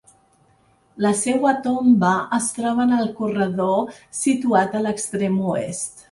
La seua tomba es troba en el corredor situat a l'extrem oest.